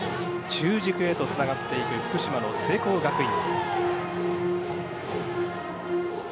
中軸へとつながっていく福島の聖光学院。